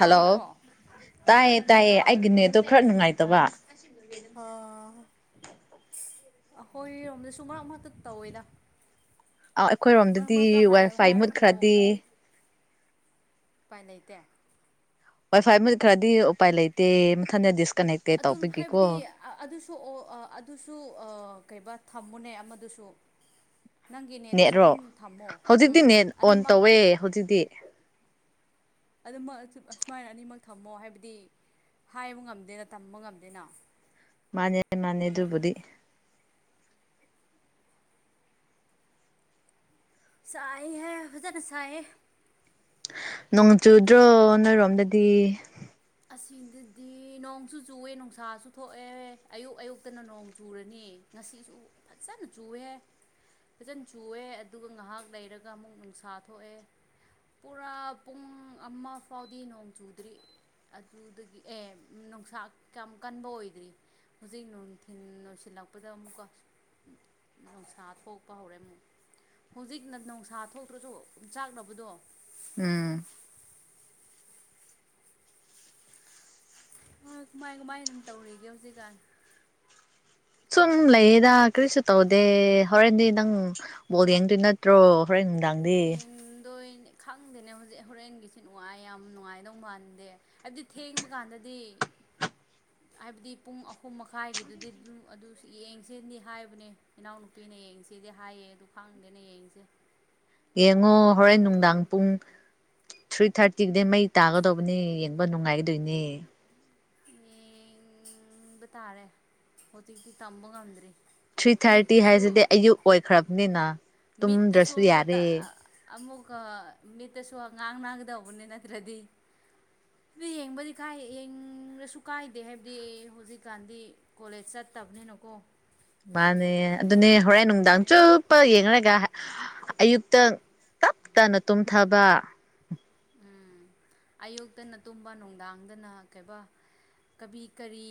Hello ꯍꯣꯏ ꯇꯥꯏꯌꯦ ꯇꯥꯏꯌꯦ ꯑꯩꯒꯤ ꯅꯦꯠꯇꯣ ꯈꯔ ꯅꯨꯡꯉꯥꯏꯇꯕ ꯑ ꯍ ꯑꯈꯣꯏꯔꯣꯝꯗꯁꯨ ꯃꯔꯛ ꯃꯔꯛꯇ ꯇꯧꯋꯦꯗ ꯑꯥꯎ ꯃꯔꯛ ꯑꯩꯈꯣꯏꯔꯣꯝꯗꯗꯤ ꯃꯔꯛꯇ ꯍꯥꯏ ꯋꯥꯏꯐꯥꯏ ꯍꯥꯏꯕꯕꯨ ꯃꯨꯠꯈ꯭ꯔꯗꯤ ꯄꯥꯏ ꯂꯩꯩꯇꯦ ꯋꯥꯏ ꯐꯥꯏ ꯃꯨꯠ ꯈ꯭ꯔꯗꯤ ꯎꯄꯥꯏ ꯂꯩꯇꯦ ꯃꯊꯟꯗ ꯗꯤꯁꯀꯅꯦꯛ ꯑꯗꯨꯝ ꯍꯥꯏꯕꯗꯤ ꯑꯥ ꯑꯗꯨꯁꯨ ꯑꯣ ꯑꯥ ꯑꯗꯨꯁꯨ ꯑꯥ ꯀꯩꯕꯥ ꯊꯝꯃꯨꯅꯦ ꯑꯃꯗꯨꯁꯨ ꯅꯪꯒꯤꯅꯦꯠ ꯑꯗꯨꯁꯨ ꯅꯦꯠꯔꯣ ꯑꯗꯨꯝ ꯊꯝꯃꯣ ꯎꯝ ꯑꯅꯤꯃꯛ ꯑꯦ ꯍꯧꯖꯤꯛꯇꯤ ꯑꯗꯨꯃꯛ ꯑꯆꯨ ꯑꯁꯨꯃꯥꯏꯅ ꯑꯅꯤꯃꯛ ꯊꯝꯃꯣ ꯍꯥꯏꯕꯗꯤ ꯍꯥꯏꯕ ꯉꯝꯗꯦꯅ ꯇꯝꯕ ꯉꯝꯗꯦꯅ ꯃꯥꯅꯦ ꯃꯥꯅꯦ ꯑꯗꯨꯕꯨꯗꯤ ꯁꯥꯏꯍ‌ꯦ ꯐꯖꯅ ꯁꯥꯏꯌꯦ ꯅꯣꯡ ꯆꯨꯗ꯭ꯔꯣ ꯅꯣꯏꯔꯣꯝꯗꯗꯤ ꯑꯁꯤꯗꯗꯤ ꯅꯣꯡꯁꯨ ꯆꯨꯑꯦ ꯅꯨꯡꯁꯥꯁꯨ ꯊꯣꯛꯑꯦ ꯑꯌꯨꯛ ꯑꯌꯨꯛꯇꯅ ꯅꯣꯡ ꯆꯨꯔꯅꯤ ꯉꯁꯤꯁꯨ ꯐꯖꯅ ꯆꯨꯑꯦ ꯐꯖꯟ ꯆꯨꯑꯦ ꯑꯗꯨꯒ ꯉꯥꯏꯍꯥꯛ ꯂꯩꯔꯒ ꯑꯃꯨꯛ ꯅꯨꯡꯁꯥ ꯊꯣꯛꯑꯦ ꯄꯨꯔꯥ ꯄꯨꯡ ꯑꯃ ꯐꯥꯎꯗꯤ ꯅꯣꯡ ꯆꯨꯗ꯭ꯔꯤ ꯑꯗꯨꯗꯒꯤ ꯑꯦ ꯅꯨꯡꯁꯥ ꯀꯌꯥꯝ ꯀꯟꯕ ꯑꯣꯏꯗ꯭ꯔꯤ ꯍꯧꯖꯤꯛ ꯅꯨꯡꯊꯤꯟ ꯅ‌ꯣꯏꯁꯤꯜꯂꯛꯄꯗ ꯑꯃꯨꯛꯀ ꯅꯨꯡꯁꯥ ꯊꯣꯛꯄ ꯍꯧꯔꯦ ꯑꯃꯨꯛ ꯍꯧꯖꯤꯛꯅ ꯅꯨꯡꯁꯥ ꯊꯣꯛꯇ꯭ꯔꯁꯨ ꯎꯝꯆꯥꯛꯅꯕꯗꯣ ꯎꯝ ꯍꯣꯏ ꯀꯃꯥꯏ ꯀꯃꯥꯏꯅ ꯇꯧꯔꯤꯒꯦ ꯍꯧꯖꯤꯛꯀꯥꯟ ꯎꯝ ꯂꯩꯌꯦꯗ ꯀꯔꯤꯁꯨ ꯇꯧꯗꯦ ꯍꯣꯔꯦꯟꯗꯤ ꯅꯪ ꯕꯣꯜ ꯌꯦꯡꯗꯣꯏ ꯅꯠꯇ꯭ꯔꯣ ꯍꯣꯔꯦꯟ ꯅꯨꯡꯗꯥꯡ ꯌꯦꯡꯗꯣꯏꯅꯦ ꯈꯪꯗꯦꯅꯦ ꯍꯧꯖꯤꯛ ꯍꯣꯔꯦꯟꯒꯤꯁꯤ ꯅꯨꯡꯉꯥꯏ ꯌꯥꯝ ꯅꯨꯡꯉꯥꯏꯗꯧ ꯃꯥꯟꯗꯦ ꯑꯗꯨ ꯊꯦꯡꯕ ꯀꯥꯟꯗꯗꯤ ꯍꯥꯏꯕꯗꯤ ꯄꯨꯡ ꯑꯍꯨꯝ ꯃꯈꯥꯏꯒꯤꯗꯨꯗꯤ ꯑꯗꯨꯝ ꯑꯗꯨ ꯌꯦꯡꯁꯤꯅꯤ ꯍꯥꯏꯕꯅꯦ‌ ꯏꯅꯥꯎꯅꯨꯄꯤꯅ ꯌꯦꯡꯁꯤꯗꯤ ꯍꯥꯏꯌꯦ ꯑꯗꯨ ꯈꯥꯡꯗꯦꯅ ꯌꯦꯡꯁꯦ ꯌꯦꯡꯉꯣ ꯍꯣꯔꯦꯟ ꯑꯃꯨꯛꯀ ꯅꯨꯡꯗꯥꯡ ꯄꯨꯡ ꯊ꯭ꯔꯤ ꯊꯥꯔꯇꯤꯒꯤꯗꯩ ꯃꯩ ꯇꯥꯒꯗꯧꯕꯅꯤ ꯌꯦꯡꯕ ꯅꯨꯡꯉꯥꯏꯗꯣꯏꯅꯦ ꯌꯦꯡꯕ ꯇꯥꯔꯦ ꯍꯧꯖꯤꯛꯇꯤ ꯇꯝꯕ ꯉꯝꯗ꯭ꯔꯤ ꯊ꯭ꯔꯤ ꯊꯥꯔꯇꯤ ꯃꯤꯠꯇꯁꯨ ꯍꯥꯏꯁꯤꯗꯤ ꯑꯌꯨꯛ ꯑꯣꯏꯈ꯭ꯔꯕꯅꯤꯅ ꯃꯤꯠꯇꯁꯨ ꯇꯨꯝꯗ꯭ꯔꯁꯨ ꯃꯨꯠꯇꯥ ꯌꯥꯔꯦ ꯑꯃꯨꯛꯀ ꯃꯤꯠꯇꯁꯨ ꯉꯥꯡ ꯅꯒꯗꯧꯕꯅꯤ ꯅꯠꯇ꯭ꯔꯗꯤ ꯐ꯭ꯔꯤ ꯌ‌ꯦꯡꯕꯩ ꯀꯥꯏ ꯌ‌ꯦꯡꯔꯁꯨ ꯀꯥꯏꯗ‌ꯦ ꯍꯥꯏꯕꯗꯤ ꯍꯧꯖꯤꯛꯀꯥꯟꯗꯤ ꯀꯣꯂꯦꯖ ꯆꯠꯇꯕꯅꯤꯅꯀꯣ ꯃꯥꯅꯦ ꯑꯗꯨꯅꯦ ꯍꯣꯔꯦꯟ ꯅꯨꯡꯗꯥꯡ ꯆꯨꯞ ꯄ ꯌꯦꯡꯔꯒ ꯑꯌꯨꯛꯇ ꯇꯞ ꯇꯅ ꯇꯨꯝꯊꯕ ꯎꯝ ꯑꯌꯨꯛꯇꯅ ꯇꯨꯝꯕ ꯅꯨꯡꯗꯥꯡꯗꯅ ꯀꯩꯕ ꯀꯕꯤ ꯀꯔꯤ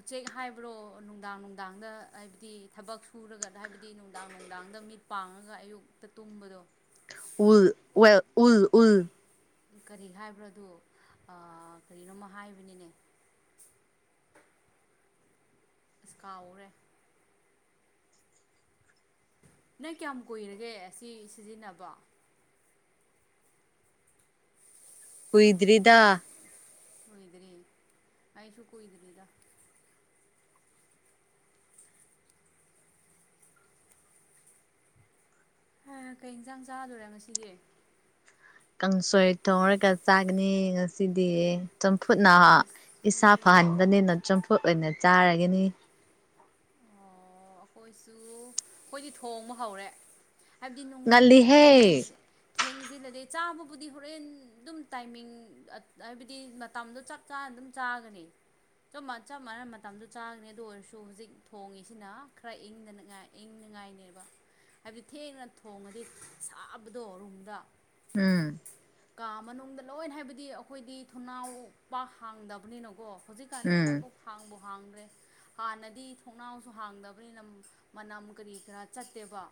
ꯎꯆꯦꯛ ꯍꯥꯏꯕ꯭ꯔꯣ ꯅꯨꯡꯗꯥꯡ ꯅꯨꯡꯗꯥꯡꯗ ꯍꯥꯏꯕꯗꯤ ꯊꯕꯛ ꯁꯨꯔꯒ ꯍꯥꯏꯕꯗꯤ ꯅꯨꯡꯗꯥꯡ ꯅꯨꯡꯗꯥꯡꯗ ꯃꯤꯠ ꯄꯥꯡꯉꯒ ꯑꯌꯨꯛꯇ ꯇꯨꯝꯕꯗꯣ ꯎꯜ ꯋ‌ꯦꯜ ꯎꯜ ꯎꯜ ꯀꯔꯤ ꯍꯥꯏꯕ꯭ꯔꯗ‌ꯣ ꯑꯥ ꯀꯔꯤꯅꯣꯃ ꯍꯥꯏꯕꯅꯤꯅꯦ ꯑꯁ ꯀꯥꯎꯔꯦ ꯅꯪ ꯀꯌꯥꯝ ꯀꯨꯏꯔꯒꯦ ꯑꯁꯤ ꯁꯤꯖꯤꯟꯅꯕ ꯀꯨꯏ ꯀꯨꯏ ꯀꯨꯏꯗ꯭ꯔꯤ ꯑꯩꯁꯨ ꯀꯨꯏꯗ꯭ꯔꯤꯗ [inaudible] ꯍꯥ ꯀꯩ ꯏꯟꯁꯥꯡ ꯆꯥꯗꯣꯔꯦ ꯉꯁꯤꯗꯤ ꯀꯥꯡꯁꯣꯏ ꯊꫭꯡꯉꯒ ꯆꯥꯒꯅꯤ ꯉꯁꯤꯗꯤ ꯆꯝꯐꯨꯠꯅ ꯏꯁꯥ ꯑꯩꯈꯣꯏꯁꯨ ꯐꯍꯟꯕꯅꯤꯅ ꯆꯝꯐꯨꯠ ꯑꯣꯏꯅ ꯆꯥꯔꯒꯅꯤ ꯑꯣ ꯑꯩꯈꯣꯏꯁꯨ ꯑꯩꯈꯣꯏꯗꯤ ꯊꯣꯡꯕ ꯍꯧꯔꯦ ꯍꯥꯏꯕꯗꯤ ꯅꯨꯡꯅ ꯍꯥꯏꯕꯗꯤ ꯉꯜꯂꯤꯍꯦ ꯊꯦꯡꯁꯦ ꯊꯦꯡꯖꯤꯜꯂꯗꯤ ꯆꯥꯕꯕꯨꯗꯤ ꯍꯣꯔꯦꯟ ꯑꯗꯨꯝ ꯇꯥꯏꯃꯤꯡ ꯍꯥꯏꯕꯗꯤ ꯃꯇꯝꯗꯣ ꯆꯥꯞ ꯆꯥꯅ ꯑꯗꯨꯝ ꯆꯥꯒꯅꯤ ꯆꯞ ꯃꯥꯟꯅꯕ ꯃꯇꯝꯗ ꯆꯥꯒꯅꯤ ꯑꯗꯨ ꯑꯣꯏꯔꯁꯨ ꯍꯧꯖꯤꯛ ꯊꯣꯡꯉꯤꯁꯤꯅ ꯈꯔ ꯏꯪꯅꯅꯥꯉꯥꯏ ꯈꯔꯥ ꯏꯪꯅꯉꯥꯏꯅꯦꯕ ꯍꯥꯏꯕꯗꯤ ꯊꯦꯡꯅ ꯊꯣꯡꯉꯗꯤ ꯁꯥꯕꯗꯣ ꯔꯨꯝꯗ ꯎꯝ ꯀꯥ ꯃꯅꯨꯡꯗ ꯂꯣꯏ ꯍꯥꯏꯕꯗꯤ ꯑꯩꯈꯣꯏꯗꯤ ꯊꯣꯡꯅꯥꯎ ꯄꯥꯛ ꯍꯥꯡꯗꯕꯅꯤꯅꯀꯣ ꯍꯧꯖꯤꯛꯀꯥꯟꯗꯤ ꯎꯝ ꯈꯔꯕꯨꯛ ꯍꯥꯡꯕꯨ ꯍꯥꯡꯗ꯭ꯔꯦ ꯍꯥꯟꯅꯗꯤ ꯊꫭꯡꯅꯥꯎꯁꯨ ꯍꯥꯡꯗꯕꯅꯤꯅ ꯃꯅꯝ ꯀꯔꯤ ꯀꯔꯥ ꯆꯠꯇꯦꯕ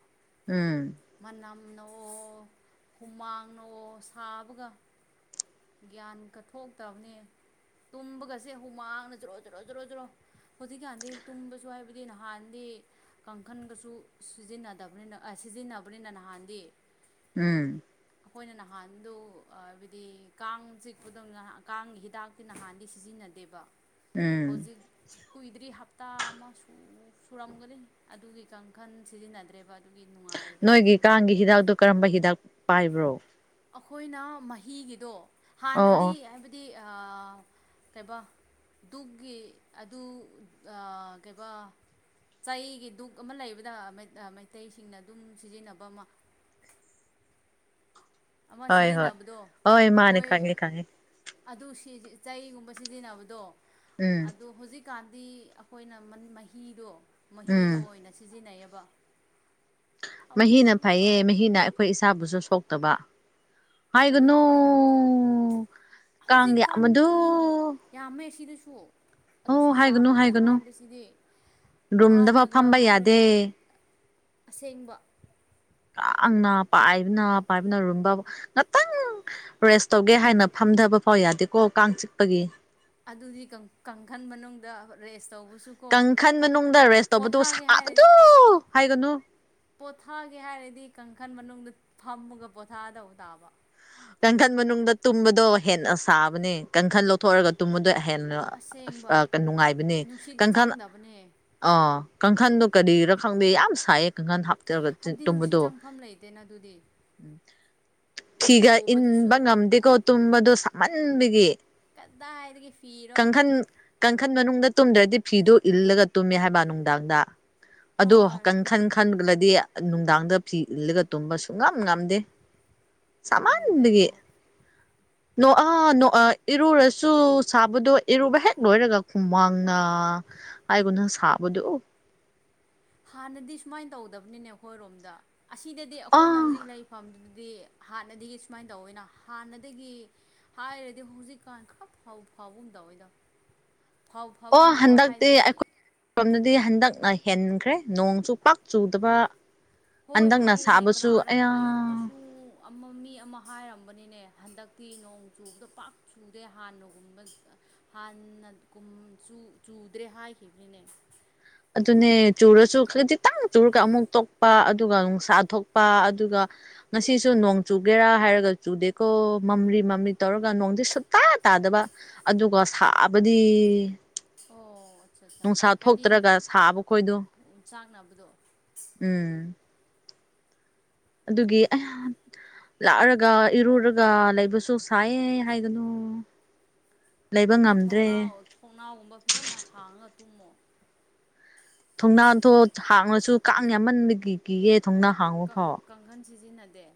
ꯎꯝ ꯃꯅꯝ ꯅꯑꯣ ꯍꯨꯃꯥꯡꯅꯑꯣ ꯁꯥꯕꯒ ꯒ꯭ꯌꯥꯟꯀ ꯊꯣꯛꯇꯕꯅꯦ ꯇꯨꯝꯕꯒꯁꯦ ꯍꯨꯃꯥꯡꯅ ꯖꯔꯣ ꯖꯔꯣ ꯖꯔꯣ ꯖꯔꫭ ꯍꯧꯖꯤꯛꯀꯤ ꯍꯥꯟꯗꯤ ꯇꯨꯝꯕꯁꯨ ꯍꯥꯏꯕꯗꯤ ꯅꯍꯥꯟꯗꯤ ꯀꯥꯡꯈꯟꯒꯁꯨ ꯁꯤꯖꯤꯟꯅꯗꯕꯅꯤꯅ ꯁꯤꯖꯤꯟꯅꯕꯅꯤꯅ ꯅꯍꯥꯟꯗꯤ ꯎꯝ ꯑꯩꯈꯣꯏꯅ ꯅꯍꯥꯟꯗꯨ ꯍꯥꯏꯕꯗꯤ ꯀꯥꯡ ꯆꯤꯛꯄꯗꯨ ꯉꯍꯥꯟ ꯀꯥꯡꯒꯤ ꯍꯤꯗꯥꯛꯇꯤ ꯅꯍꯥꯟꯗꯤ ꯁꯤꯖꯤꯟꯅꯗꯦꯕ ꯎꯝ ꯍꯧꯖꯤꯛ ꯀꯨꯏꯗ꯭ꯔꯤ ꯍꯞꯇꯥ ꯑꯃꯥ ꯁꯨ ꯁꯨꯔꯝꯒꯅꯤ ꯑꯗꯨꯒꯤ ꯀꯥꯡꯈꯟ ꯁꯤꯖꯤꯟꯅꯗ꯭ꯔꯦꯕ ꯑꯗꯨꯒꯤ ꯅꯨꯡꯉꯥꯏꯕꯅꯦ ꯅꯣꯏꯒꯤ ꯇꯨꯡꯕꯗ ꯀꯥꯡꯒꯤ ꯍꯤꯗꯥꯛꯇꯣ ꯀꯔꯝꯕ ꯍꯤꯗꯥꯛ ꯄꯥꯏꯕ꯭ꯔꯣ ꯑꯩꯈꯣꯏꯅ ꯃꯍꯤꯒꯤꯗꯣ ꯑꯣ ꯑꯣ ꯍꯥꯟꯅꯗꯤ ꯍꯥꯏꯕꯗꯤ ꯑꯥ ꯀꯩꯕꯥ ꯗꯨꯛꯒꯤ ꯑꯗꯨ ꯑꯥ ꯀꯩꯕꯥ ꯆꯩꯒꯤ ꯗꯨꯛ ꯑꯃꯥ ꯂꯩꯕꯗ ꯃꯩꯇꯩꯁꯤꯡꯅ ꯑꯗꯨꯝ ꯁꯤꯖꯤꯟꯅꯕ ꯑꯃꯥ ꯑꯃꯥ ꯍꯣꯏ ꯍꯣꯏ ꯁꯤꯖꯤꯟꯅꯕꯗꯣ ꯍꯣꯏ ꯃꯥꯅꯦ ꯃꯣꯏ ꯈꯪꯉꯦ ꯈꯪꯉꯦ ꯑꯗꯨ ꯁꯤꯖꯤꯟ ꯆꯩꯒꯨꯝꯕ ꯁꯤꯖꯤꯟꯅꯕꯗꯣ ꯎꯝ ꯑꯗꯨ ꯍꯧꯖꯤꯛ ꯍꯧꯖꯤꯛꯀꯥꯟꯗꯤ ꯑꯩꯈꯣꯏꯅ ꯃꯍꯤꯗꯣ ꯎꯝ ꯃꯍꯤꯗꯣ ꯑꯣꯏꯅꯥ ꯁꯤꯖꯤꯟꯅꯩꯌꯦꯕ ꯃꯍꯤꯅ ꯑꯗꯨ ꯐꯩꯌꯦ ꯐꯕꯅꯦ ꯃꯍꯤꯅ ꯑꯩꯈꯣꯏ ꯏꯁꯥꯕꯨꯁꯨ ꯁꯣꯛꯇꯕ ꯑꯗꯨ ꯍꯥꯏꯒꯅꯨ ꯑꯩꯈꯣꯏꯅ ꯀꯥꯡꯒꯤ ꯍꯧꯖꯤꯛꯀꯥꯟ ꯑꯃꯗꯨ ꯌꯥꯝꯃꯦ ꯁꯤꯗꯁꯨ ꯑꯣ ꯑꯗꯨꯁꯨ ꯍꯥꯏꯒꯅꯨ ꯌꯥꯝꯃꯦ ꯍꯥꯏꯒꯅꯨ ꯍꯥꯏꯕꯁꯤꯗꯤ ꯔꯨꯝꯗꯐꯥꯎ ꯍꯥꯟꯅꯒ ꯐꯝꯕ ꯍꯥꯏꯔꯗꯤ ꯌꯥꯗꯦ ꯑꯁꯦꯡꯕ ꯀꯥꯡꯅ ꯄꯥꯏꯕꯅ ꯄꯥꯏꯕꯅꯔꯨꯝꯗ ꯉꯥꯛꯇꯪ ꯔꯦꯁ ꯇꯧꯒꯦ ꯍꯥꯏꯅ ꯐꯝꯊꯥꯕ ꯐꯥꯎ ꯌꯥꯗꯦꯀꯣ ꯀꯥꯡ ꯆꯤꯛꯄꯒꯤ ꯑꯗꯨꯗꯤ ꯀꯥꯡ ꯀꯥꯡꯈꯟ ꯃꯅꯨꯡꯗ ꯔꯦꯁ ꯇꯧꯕꯁꯨ ꯀꯥꯡꯈꯟ ꯃꯅꯨꯡꯗ ꯔꯦꯁ ꯇꯧꯕꯗꯨ ꯍꯥꯏꯔ ꯁꯥꯕꯗꯨ ꯍꯥꯏꯒꯅꯨ ꯄꯣꯊꯥꯒꯦ ꯍꯥꯏꯔꯗꯤ ꯀꯥꯡꯈꯜ ꯃꯅꯨꯡꯗ ꯐꯝꯃꯒ ꯄꯣꯊꯥꯗꯧꯕ ꯇꯥꯕ ꯀꯥꯡꯈꯟ ꯃꯅꯨꯡꯗ ꯇꯨꯝꯕꯗꯣ ꯍꯦꯟꯅ ꯁꯥꯕꯅꯦ ꯀꯥꯡꯈꯟ ꯂꫭꯛ ꯊꯣꯛꯑꯒ ꯇꯨꯝꯕꯗꯣ ꯍꯦꯟꯅ ꯑꯁꯦꯡꯕ ꯑꯥ ꯅꯨꯡꯉꯥꯏꯕꯅꯤ ꯅꯨꯡꯁꯤꯗꯤ ꯀꯥꯡꯟ ꯈꯜ ꯆꯪꯗꯕꯅꯦ ꯑꫭ ꯀꯥꯡꯈꯟꯗꯣ ꯀꯔꯤꯔꯥ ꯈꯪꯗꯦ ꯌꯥꯝ ꯁꯥꯏꯌꯦ ꯀꯥꯡꯈꯟ ꯍꯥꯞ ꯒ ꯍꯥꯏꯕꯗꯤ [unintelligible] ꯅꯨꯡꯁꯤ ꯇꯝꯕꯗꯣ ꯆꯪꯐꯝ ꯂꯩꯇꯦꯅ ꯑꯗꯨꯗꯤ ꯊꯤꯒ ꯍꯣꯕꯗꯨꯁꯨ ꯏꯟꯕ ꯉꯝꯗꯦꯀꯣ ꯇꯨꯝꯕꯗꯣ ꯁꯃꯟꯕꯒꯤ ꯀꯗꯥꯏꯗꯒꯤ ꯐꯤꯔꯣ ꯀꯡꯈꯟ ꯀꯡꯈꯟ ꯃꯅꯨꯡꯗ ꯇꯨꯝꯗ꯭ꯔꯗꯤ ꯐꯤꯗꯨ ꯏꯜꯂꯒ ꯇꯨꯝꯃꯦ ꯍꯥꯏꯕ ꯅꯨꯡꯗꯥꯡꯗ ꯑꯗꯣ ꯀꯪꯈꯟ ꯈꯟꯂꯗꯤ ꯅꯨꯡꯗꯥꯡꯗ ꯐꯤ ꯏꯜꯂꯒ ꯇꯨꯝꯕꯁꯨꯨꯡ ꯉꯝ ꯉꯝꯗꯦ ꯉꯝꯗꯦ ꯁꯃꯟꯕꯒꯤ ꯑꯩꯈꯣꯏꯁꯨ ꯅꯣꯛꯑ ꯅꯣꯛꯑ ꯏꯔꯨꯔꯁꯨ ꯁꯥꯕꯗꯣ ꯏꯔꯨꯕ ꯍꯦꯛ ꯂꯣꯏꯔꯒ ꯍꯨꯃꯥꯡꯅ ꯑꯩꯒꯣꯟꯅ ꯁꯥꯕꯗꯨ ꯑꯣ ꯍꯥꯟꯅꯗꯤ ꯁꯨꯃꯥꯏꯅ ꯇꯧꯗꯕꯅꯤꯅꯦ ꯑꯈꯣꯏꯔꯣꯝꯗ ꯑꯁꯤꯗꯗꯤ ꯑꯈꯣꯏꯅ ꯑꯥ ꯍꯧꯖꯤꯛ ꯂꯩ- ꯐꯝꯗꯨꯗꯤ ꯍꯥꯟꯅꯗꯒꯤ ꯁꯨꯃꯥꯏꯅ ꯇꯧꯋꯦꯅ ꯍꯥꯟꯅꯗꯒꯤ ꯍꯥꯏꯔꯗꯤ ꯍꯧꯖꯤꯛꯀꯥꯟ ꯈꯔ ꯐꯥꯎꯐꯕꯒꯨꯝ ꯇꯧꯋꯦꯗ ꯐꯧꯐꯕꯒꯨꯝ ꯇꯧꯋꯦ ꯍꯥꯏꯗꯤ ꯁꯣꯝꯗꯗꯤ ꯍꯟꯗꯛꯅ ꯍꯦꯟꯈ꯭ꯔꯦ ꯅꯣꯡꯁꯨꯨ ꯄꯥꯛ ꯆꯨꯗꯕ ꯍꯣꯏ ꯍꯟꯗꯛꯅ ꯍꯥꯏꯅꯦ ꯁꯥꯕꯁꯨ ꯀꯔꯥꯔ ꯑꯌꯥ ꯑꯌꯨꯛꯇꯨꯁꯨ ꯑꯃ ꯃꯤ ꯑꯃ ꯍꯥꯏꯔꯝꯕꯅꯦꯅꯦ ꯍꯟꯗꯛꯇꯤ ꯅꯣꯡ ꯆꯨꯕꯗ ꯄꯥꯛ ꯆꯨꯗꯦ ꯍꯥꯟꯅꯒꯨꯝꯕ ꯍꯥꯟꯅ ꯀꯨꯝ ꯆꯨ ꯆꯨꯗ꯭ꯔꯦ ꯍꯥꯏꯈꯤꯕꯅꯤꯅꯦ ꯑꯗꯨꯅꯦ ꯆꯨꯔꯁꯨ ꯈꯖꯤꯇꯪ ꯆꯨꯔꯒ ꯑꯃꯨꯛ ꯇꯣꯛꯄ ꯑꯗꯨꯒ ꯅꯨꯡꯁꯥ ꯊꯣꯛꯄ ꯑꯗꯨꯒ ꯉꯁꯤꯁꯨ ꯅꯣꯡ ꯆꯨꯒꯦꯔꯥ ꯍꯥꯏꯔꯒ ꯆꯨꯗꯦꯀꯣ ꯃꯝꯔꯤ ꯃꯃꯤ ꯇꯧꯔꯒ ꯅꯣꯡꯗꯤ ꯁꯨꯇꯥ ꯇꯥꯗꯕ ꯑꯗꯨꯒ ꯁꯥꯕꯗꯤ ꯑꯣ ꯁꯠꯁꯥ ꯅꯨꯡꯁꯥ ꯍꯥꯏꯕꯗꯤ ꯊꯣꯛꯇ꯭ꯔꯒ ꯁꯥꯕ ꯈꯣꯏꯗꯣ ꯆꯥꯛꯅꯕꯗꯣ ꯎꯝ ꯑꯗꯨꯒꯤ [unintelligible] ꯂꯥꯛꯑꯔꯒ ꯏꯔꯨꯔꯒ ꯂꯩꯕꯁꯨ ꯁꯥꯏꯌꯦ ꯍꯥꯏꯒꯅꯨ ꯂꯩꯕ ꯅꯣꯏ ꯉꯝꯗ꯭ꯔꯦ ꯊꯣꯡꯅꯥꯎ ꯊꯣꯡꯅꯥꯎꯒꯨꯝꯕ ꯐꯖꯅ ꯍꯥꯡꯉꯒ ꯇꯨꯝꯃꯣ ꯊꯣꯡꯅꯥꯗꯣ ꯍꯥꯡꯉꯁꯨ ꯀꯥꯡ ꯌꯥꯝꯃꯟꯕꯒꯤ ꯀꯤꯒꯦ ꯊꯣꯡꯅꯥ ꯍꯥꯡꯕ ꯐꯥꯎ ꯀꯡꯈꯟ ꯁꯤꯖꯤꯟꯅꯗꯦ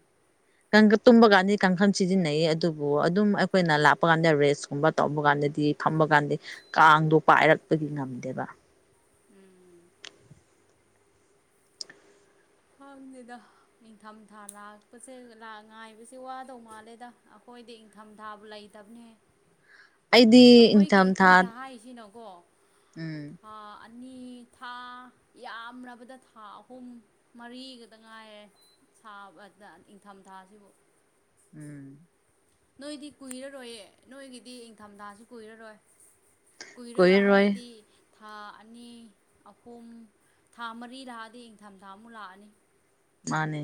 ꯀꯟꯒꯥ ꯇꯨꯝꯕ ꯀꯥꯟꯗꯤ ꯀꯥꯡꯈꯟ ꯁꯤꯖꯤꯟꯅꯩꯌꯦ ꯑꯗꯨꯕꯨ ꯑꯗꯨꯝ ꯑꯩꯈꯣꯏꯅ ꯂꯥꯛꯄ ꯀꯥꯟꯗ ꯔꯦꯁꯀꯨꯝꯕ ꯇꯧꯕ ꯀꯥꯟꯗꯗꯤ ꯊꯝꯕ ꯀꯥꯟꯗꯤ ꯀꯥꯡꯗꯣ ꯄꯥꯏꯔꯛꯄꯒꯤ ꯉꯝꯗꯦꯕ ꯎꯝ ꯈꯪꯅꯤꯗ ꯅꯤꯡꯊꯝꯊꯥ ꯂꯥꯛꯄꯁꯦ ꯂꯥ ꯉꯥꯏꯕꯁꯦ ꯋꯥꯗꯧ ꯃꯥꯜꯂꯦꯗ ꯑꯈꯣꯏꯗꯤ ꯏꯪꯊꯝꯊꯥꯕꯨ ꯂꯩ ꯇꯕꯅꯦ ꯑꯩꯗꯤ ꯏꯪꯊꯝꯊꯥ ꯍꯥꯏꯁꯤꯅꯀꯣ ꯎꯝ ꯊꯥ ꯑꯅꯤ ꯊꯥ ꯌꯥꯝꯔꯕꯗ ꯊꯥ ꯑꯍꯨꯝ ꯃꯔꯤꯒꯗ ꯉꯥꯏꯔꯦ ꯁꯥꯕꯗ ꯏꯪꯊꯝꯊꯥꯁꯤꯕꯨ ꯎꯝ ꯅꯣꯏꯗꯤ ꯀꯨꯏꯔꯔꯣꯏꯌꯦ ꯅꯣꯏꯒꯤꯗꯤ ꯏꯪꯊꯝꯊꯥꯁꯨ ꯀꯨꯏꯔꯔꯣꯏ ꯀꯨꯏꯔꯔꯣꯏ ꯍꯥꯏꯔꯗꯤ ꯊꯥ ꯑꯅꯤ ꯑꯍꯨꯝ ꯊꯥ ꯃꯔꯤ ꯂꯥꯛꯑꯗꯤ ꯏꯪꯊꯝꯊꯥ ꯑꯃꯨꯛ ꯂꯥꯛꯑꯅꯤ ꯃꯥꯅꯦ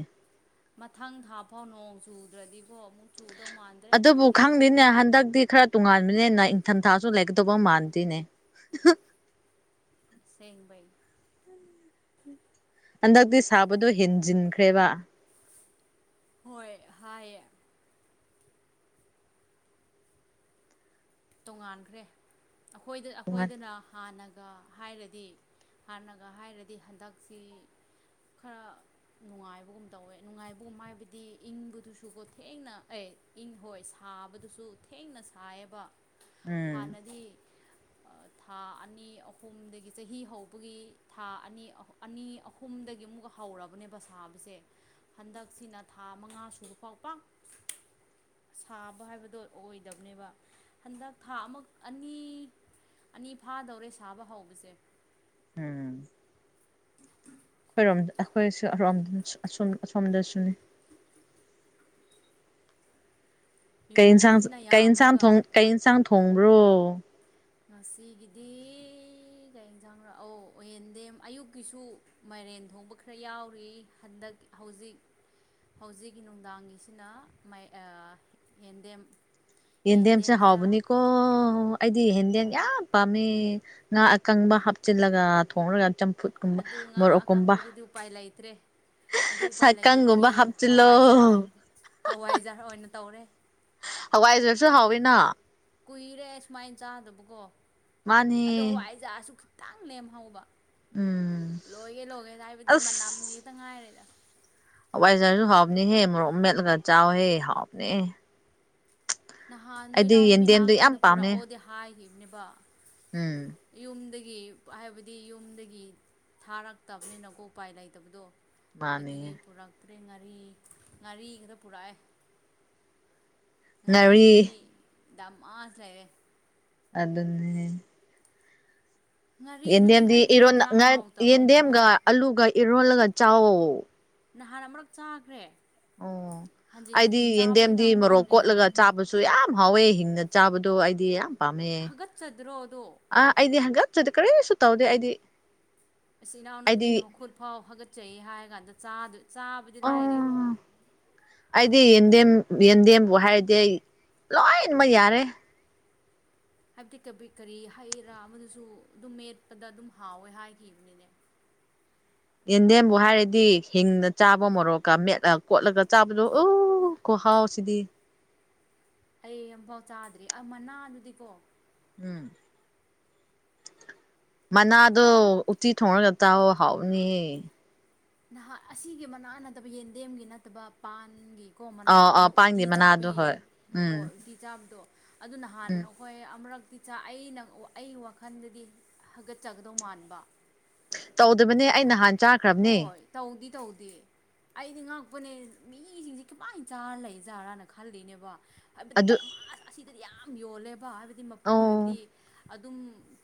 ꯃꯊꯪ ꯊꯥ ꯐꯥꯎ ꯅꯣꯡ ꯆꯨꯗ꯭ꯔꯗꯤꯀꯣ ꯑꯃꯨꯛ ꯆꯨꯗꯧ ꯃꯥꯥꯟ ꯑꯗꯨꯕꯨ ꯈꯪꯗꯦꯅꯦ ꯍꯟꯗꯛꯗꯤ ꯈꯔ ꯇꯣꯉꯥꯟꯕꯅꯦꯅ ꯏꯪꯊꯝ ꯊꯥꯁꯨ ꯂꯩꯒꯗꯧꯕ ꯃꯥꯟꯗꯦꯅꯦ ꯁꯦꯡꯕꯩ ꯍꯟꯗꯛꯗꯤ ꯁꯥꯕꯗꯣ ꯍꯦꯟꯖꯤꯟꯈ꯭ꯔꯦꯕ ꯍꯣꯏ ꯍꯥꯏꯌꯦ ꯇꯣꯉꯥꯟꯈ꯭ꯔꯦ ꯑꯩꯈꯣꯏꯗ ꯇꯣꯉꯥꯟ ꯑꯩꯈꯣꯏꯗꯅ ꯍꯥꯟꯅꯒ ꯍꯥꯏꯔꯗꯤ ꯍꯥꯟꯅꯒ ꯍꯥꯏꯔꯗꯤ ꯍꯟꯗꯛꯁꯤ ꯈꯔ ꯅꯨꯡꯉꯥꯏꯕꯒꯨꯝ ꯇꯧꯋꯦ ꯅꯨꯡꯉꯥꯏꯕꯒꯨꯝ ꯍꯥꯏꯕꯗꯤ ꯏꯪꯕꯗꯨꯁꯨꯀꯣ ꯊꯦꯡꯅ ꯑꯩ ꯏꯪ ꯍꯣꯏ ꯁꯥꯕꯗꯨꯁꯨ ꯊꯦꯡꯅ ꯁꯥꯏꯑꯕ ꯎꯝ ꯍꯥꯟꯅꯗꯤ ꯑ ꯊꯥ ꯑꯅꯤ ꯑꯍꯨꯝꯗꯒꯤ ꯆꯍꯤ ꯍꯧꯕꯒꯤ ꯊꯥ ꯑꯅꯤ ꯑꯍꯨ ꯑꯅꯤ ꯑꯍꯨꯝ ꯍꯨꯝꯗꯒꯤ ꯑꯃꯨꯛꯀ ꯍꯧꯔꯕꯅꯦꯕ ꯁꯥꯕꯁꯦ꯫ ꯍꯟꯗꯛꯁꯤꯅ ꯊꯥ ꯃꯉꯥ ꯁꯨꯕꯐꯥꯎ ꯄꯥꯛ ꯁꯥꯕ ꯍꯥꯏꯕꯗꯣ ꯑꯣꯏꯗꯕꯅꯦꯕ꯫ ꯍꯟꯗꯛ ꯊꯥ ꯑꯃꯛ ꯑꯅꯤ ꯑꯅꯤ ꯐꯥꯗꯧꯔꯦ ꯁꯥꯕ ꯍꯧꯕꯁꯦ꯫ ꯎꯝ꯫ ꯑꯩꯈꯣꯏꯔꯣꯝꯗ ꯑꯩꯈꯣꯏꯑꯁꯣꯔꯣꯝꯗꯁꯨ ꯑꯁꯣꯝ ꯑꯁꯣꯝꯗꯁꯨꯅꯤ꯫ ꯀꯩ ꯑꯦꯟꯁꯥꯡ ꯅꯣꯡꯁꯤꯅ ꯀꯩ ꯑꯦꯟꯁꯥꯡ ꯌꯥꯝꯕꯒ ꯊꯣꯡ ꯀꯩ ꯑꯦꯟꯁꯥꯡ ꯊꯣꯡꯕ꯭ꯔꯣ꯫ ꯉꯁꯤꯒꯤꯗꯤ ꯀꯩ ꯏꯟꯖꯥꯡꯔ ꯑꯣ ꯑꯣꯌꯦꯟꯗꯦꯝ ꯑꯌꯨꯛꯀꯤꯁꯨ꯫ ꯃꯥꯏꯔꯦꯟ ꯊꯣꯡꯕ ꯈꯔ ꯌꯥꯎꯔꯤ ꯍꯟꯗꯛ ꯍꯧꯖꯤꯛ꯫ ꯍꯧꯖꯤꯛꯀꯤ ꯅꯨꯡꯗꯥꯡꯒꯤꯁꯤꯅ ꯃꯥꯏ ꯑ ꯌꯦꯟꯗꯦꯝ꯫ ꯌꯦꯟꯗꯦꯝꯁꯦ ꯌꯦꯟꯗꯦꯝꯗ ꯍꯥꯎꯕꯅꯤꯀꯣ ꯑꯩꯗꯤ ꯍꯦꯟꯗꯦꯝ ꯍꯣꯏ ꯌꯥꯝ ꯄꯥꯝꯃꯦ꯫ ꯉꯥ ꯑꯀꯪꯕ ꯍꯥꯞꯆꯤꯜꯂꯒ ꯊꯣꯡꯔꯒ ꯆꯝ ꯐꯨꯠ ꯀꯨꯝꯕ ꯑꯗꯨ ꯉꯥ ꯃꯣꯔꯣꯛ ꯀꯨꯝꯕ꯫ ꯑꯀꯪꯕꯗꯨꯗꯤ ꯎꯄꯥꯏ ꯂꯩꯇ꯭ꯔꯦ ꯑꯗꯨ ꯁꯥ ꯎꯄꯥꯏ ꯀꯪꯒꯨꯝꯕ ꯂꯩꯇꯕꯒꯤ ꯍꯥꯞꯆꯤꯜꯂꯣ꯫ ꯍꯋꯥꯏꯖꯥꯔ ꯍꯋꯥꯏꯖꯥꯔ ꯑꯣꯏꯅ ꯇꯧꯔꯦ ꯍꯋꯥꯏꯖꯔꯁꯨ ꯍꯥꯎꯋꯤꯅ꯫ ꯀꯨꯏꯔꯦ ꯁꯨꯃꯥꯏꯅ ꯆꯥꯗꯕꯀꯣ ꯃꯥꯅꯤ ꯑꯗꯣ ꯍꯋꯥꯏꯖꯥꯔꯁꯨ ꯈꯤꯠ ꯇꯪ ꯂꯦꯝꯍꯧꯕ ꯎꯝ ꯂꯣꯏꯒꯦ ꯂꯣꯏꯒꯦ ꯍꯥꯏꯕꯗꯤ ꯃꯅꯝꯒꯤꯇꯪ ꯉꯥꯏꯔꯦꯗ꯫ ꯍꯋꯥꯏꯖꯥꯔꯖꯨ ꯍꯥꯎꯕꯅꯦꯍꯦ ꯃꯣꯔꯣꯛ ꯃꯦꯠꯂꯒ ꯆꯥꯎꯍꯦ ꯍꯥꯎꯕꯅꯦ꯫ ꯅꯍꯥꯟꯗꯣ ꯑꯩꯗꯤ ꯏꯅꯥꯎ ꯅꯨꯄꯤ ꯌꯦꯟꯗꯦꯝꯗꯣ ꯌꯥꯝ ꯂꯥꯛꯑꯀꯥꯟꯗ ꯄꯥꯝꯃꯦ ꯄꯨꯔꯛꯑꯣꯗꯤ ꯍꯥꯏꯒꯤꯕꯅꯦꯕ꯫ ꯎꯝ꯫ ꯌꯨꯝꯗꯒꯤ ꯍꯥꯏꯕꯗꯤ ꯌꯨꯝꯗꯒꯤ ꯊꯥꯔꯛꯇꯕꯅꯤꯅꯀꯣ ꯎꯄꯥꯏ ꯂꯩꯇꯕꯗꯣ꯫ ꯑꯗꯨꯒꯤ ꯃꯥꯅꯦ ꯄꯨꯔꯛꯇ꯭ꯔꯦ ꯉꯥꯔꯤ ꯉꯥꯔꯤꯈꯛꯇ ꯄꯨꯔꯛꯑꯦ꯫ ꯉꯥꯔꯤ ꯉꯥꯔꯤꯗꯨꯗꯤ ꯗꯥꯝ ꯃꯥꯥꯁ ꯂꯩꯔꯦ꯫ ꯑꯗꯨꯟꯅꯦ꯫ ꯉꯥꯔꯤꯗꯨꯗꯤ ꯌꯦꯟꯗꯦꯝꯗꯤ ꯍꯥꯏꯕꯗꯤ ꯏꯔꯣꯟ ꯍꯦꯟꯖꯥꯡ ꯉꯠ ꯍꯥꯎꯇꯕꯅꯤꯅꯀꯣ ꯌꯦꯟꯗꯦꯝꯒ ꯑꯂꯨꯒ ꯏꯔꯣꯜꯂꯒ ꯆꯥꯎꯋꯣ꯫ ꯅꯍꯥꯟ ꯑꯃꯔꯛ ꯆꯥꯈ꯭ꯔꯦ꯫ ꯑꯣ ꯍꯟꯖꯤꯟ ꯑꯩꯗꯤ ꯍꯟꯖꯤꯟ ꯆꯥꯕꯗꯤ ꯌꯦꯟꯗꯦꯝꯗꯤ ꯃꯣꯔꯣꯛ ꯉꯝꯗ꯭ꯔꯕꯅꯤꯅ ꯀꯣꯠꯂꯒ ꯆꯥꯕ ꯁꯨ ꯌꯥꯝ ꯍꯥꯎꯋꯦ ꯍꯤꯡꯅ ꯆꯥꯕꯗꯣ ꯑꯩꯗꯤ ꯌꯥꯝ ꯄꯥꯝꯃꯦ꯫ ꯍꯥꯒꯠꯆꯗ꯭ꯔꯣ ꯑꯗꯣ ꯑ ꯑꯩꯗꯤ ꯍꯪꯒꯠꯆꯗꯦ ꯀꯔꯤꯁꯨ ꯇꯧꯗꯦ ꯑꯩꯗꯤ꯫ ꯑꯁ ꯑꯩꯗꯤ ꯏꯅꯥꯎꯅꯨꯄꯤꯅ ꯃꯈꯨꯠ ꯐꯥꯎ ꯍꯒꯠꯆꯩ ꯍꯥꯏꯔ ꯀꯥꯟꯗ ꯆꯥꯗ ꯆꯥꯕꯗꯤ ꯑ ꯂꯥꯏꯔꯤ ꯑꯩꯗꯤ ꯌꯦꯟꯗꯦꯝ ꯌꯦꯟꯗꯦꯝꯕꯨ ꯍꯥꯏꯔꯗꯤ ꯑꯩ ꯂꯣꯏꯅꯃꯛ ꯌꯥꯔꯦ꯫ [unintelligible] ꯀꯔꯤ ꯍꯩꯔꯥ ꯑꯃꯗꯨꯁꯨ ꯑꯗꯨꯝ ꯃꯦꯠꯄꯗ ꯑꯗꯨꯝ ꯍꯥꯎꯋꯦ ꯍꯥꯏꯈꯤꯕꯅꯤꯅꯦ꯫ ꯌꯦꯟꯗꯦꯝꯕꯨ ꯍꯥꯏꯔꯗꯤ ꯍꯤꯡꯅ ꯆꯥꯕ ꯃꯣꯔꯣꯛꯀ ꯃꯦꯠꯂ ꯀꯣꯠꯂꯒ ꯆꯥꯕꯗꯨ ꯑꯨ꯫ ꯑꯨ ꯈꯨꯍꯥꯎꯁꯤꯗꯤ꯫ ꯑꯩ ꯑꯝꯐꯥꯎ ꯆꯥꯗ꯭ꯔꯤ ꯑ ꯃꯅꯥꯗꯨꯗꯤꯀꯣ ꯎꯝ [unintelligible] ꯃꯅꯥꯗꯣ ꯎꯇꯤ ꯊꯣꯡꯔꯒ ꯆꯥꯎꯑꯣ ꯍꯥꯎꯕꯅꯤꯍꯦ꯫ ꯅꯍꯥ ꯑꯁꯤꯒꯤ ꯃꯅꯥ ꯅꯠꯇꯕ ꯌꯦꯟꯗꯦꯝꯒꯤ ꯅꯠꯇꯕ ꯄꯥꯟꯒꯤ ꯀꯣ ꯃꯅꯥ ꯑꯥ ꯑꯃ ꯑꯥ ꯑꯨꯇꯤ ꯄꯥꯟꯒꯤ ꯃꯅꯥꯗꯣ ꯆꯥꯕꯒꯤ ꯍꯣꯏ [unintelligible] ꯎꯝ ꯍꯣꯏ ꯑꯨꯇꯤ ꯆꯥꯕꯗꯣ꯫ ꯑꯗꯨ ꯅꯍꯥꯟ ꯎꯝ ꯑꯩꯈꯣꯏ ꯑꯃꯨꯔꯛꯇꯤ ꯑꯩꯅ ꯑꯩꯒꯤ ꯋꯥꯈꯜꯗꯗꯤ ꯍꯥꯒꯠꯆꯒꯗꯧꯕ ꯃꯥꯟꯕ ꯇꯧꯗꯕꯅꯦ ꯑꯩ ꯅꯍꯥꯟ ꯆꯥꯈ꯭ꯔꯕꯅꯦ ꯍꯣꯏ ꯇꯧꯗꯤ ꯇꯧꯗꯦ ꯑꯩꯗꯤ ꯉꯛꯄꯅꯦ ꯃꯤꯁꯤꯡꯁꯦ ꯀꯃꯥꯏ ꯆꯥꯔꯂꯩꯖꯥꯠꯂꯅ ꯈꯜꯂꯤꯅꯦꯕ ꯍꯥꯏꯕꯗꯤ ꯑꯗꯨ ꯗꯃꯥꯗ ꯑꯁꯤꯗꯗꯤ ꯌꯥꯝ ꯌꯣꯜꯂꯦꯕ ꯍꯥꯏꯕꯗꯤ ꯑꯧ ꯍꯥꯏꯕꯗꯤ ꯑꯗꯨꯝ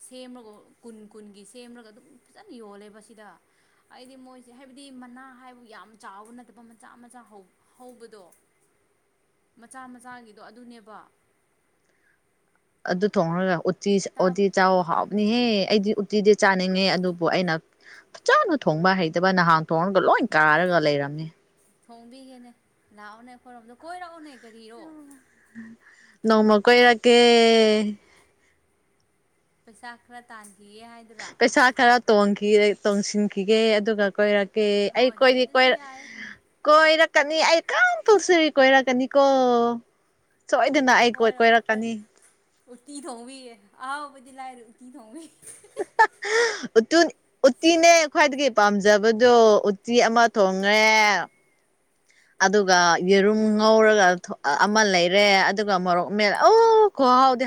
ꯁꯦꯝꯃꯒ ꯀꯨꯟ ꯀꯨꯟꯒꯤ ꯁꯦꯝꯔꯒ ꯑꯗꯨꯝ ꯐꯖꯅ ꯌꯣꯜꯂꯦ ꯁꯤꯗ ꯍꯥꯏꯗꯤ ꯃꯣꯏꯁꯦ ꯍꯥꯏꯕꯗꯤ ꯃꯅꯥ ꯍꯥꯏꯕꯨ ꯌꯥꯝ ꯆꯥꯎꯕ ꯅꯠꯇꯕ ꯃꯆꯥ ꯃꯆꯥ ꯍꯧ ꯍꯧꯕꯗꯣ ꯃꯆꯥ ꯃꯆꯥꯒꯤꯗꯣ ꯑꯗꯨꯅꯦꯕ ꯑꯗꯨ ꯊꯣꯡꯉꯒ ꯎꯠꯇꯤ ꯇꯥꯞ ꯎꯠꯇꯤ ꯆꯥꯎ ꯑꯧ ꯍꯥꯎꯕꯅꯤꯍꯦ ꯑꯩꯗꯤ ꯎꯠꯇꯤꯗꯤ ꯆꯥꯅꯤꯡꯉꯦ ꯑꯗꯨꯕꯨ ꯑꯩꯅ ꯐꯖꯅ ꯊꯣꯡꯕ ꯍꯩꯇꯕ ꯅꯍꯥꯟ ꯊꯣꯡꯉꯒ ꯂꯣꯏ ꯀꯥꯔꯒ ꯂꯩꯔꯝꯃꯦ ꯊꯣꯡꯕꯤꯒꯦꯅꯦ ꯂꯥꯛꯑꯣꯅꯦ ꯑꯩꯈꯣꯏꯔꯣꯝꯗ ꯀꯣꯏꯔꯛꯑꯣꯅꯦ ꯀꯔꯤꯔꯣ ꯅꯣꯡꯃ ꯀꯣꯏꯔꯛꯀꯦ ꯄꯩꯁꯥ ꯈꯔ ꯇꯥꯟꯈꯤꯒꯦ ꯍꯥꯏ ꯄꯩꯁꯥ ꯈꯔ ꯇꯣꯡ ꯇꯣꯡꯁꯤꯟꯈꯤꯒꯦ ꯑꯗꯨꯒ ꯀꯣꯏꯔꯛ ꯀꯦ ꯑꯩ ꯍꯣꯏ ꯍꯣꯏ ꯀꯣꯏꯗꯤ ꯀꯣꯏ ꯑꯗꯨꯁꯨ ꯌꯥꯏ ꯀꯣꯏꯔꯛꯀꯅꯤ ꯑꯩ ꯀꯝꯄꯜꯁꯔꯤ ꯀꯣꯏꯔꯛꯀꯅꯤꯀꯣ ꯁꯣꯏꯗꯅ ꯑꯩ ꯀꯣꯏꯔꯛꯀꯅꯤ ꯎꯠꯇꯤ ꯊꯣꯡꯕꯤꯒꯦ ꯑꯍꯥꯎꯕꯗꯤ ꯂꯥꯏꯔꯦ ꯎꯠꯇꯤ ꯊꯣꯡꯕꯤꯒꯦ [unintelligible] [inaudible] ꯑꯗꯨ ꯎꯠꯇꯤꯅꯦ ꯈ꯭ꯋꯥꯏꯗꯒꯤ ꯄꯥꯝꯖꯕꯗꯣ ꯎꯠꯇꯤ ꯑꯃ ꯊꯣꯡꯉꯦ [inaudible] ꯑꯗꯨꯒ ꯌꯦꯔꯨꯝ ꯉꯧꯔꯒ ꯑꯃ ꯂꯩꯔꯦ ꯑꯗꯨꯒ ꯃꯣꯔꯣꯛ ꯃꯦꯠ ꯑꯣ ꯈꯨꯍꯥꯎꯗꯤ